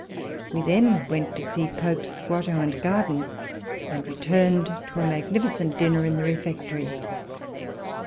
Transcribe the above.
We then went to see Pope's grotto and garden, and returned to a magnificent dinner in the refectory.